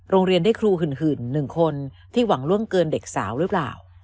โรงเรียนได้ครูหึ่น๑คนที่หวังล่วงเกินเด็กสาวหรือเปล่า